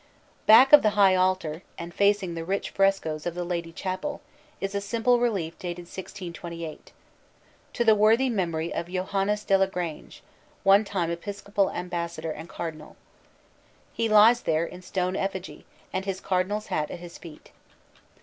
Back of the high altar and facing the rich frescoes of the Lady Chapel is a simple relief dated 1628, "To the worthy memory of Johannis Delagrange, one time episcopal ambas sador and cardinal." He lies there in stone effigy and his cardinal s hat at his feet.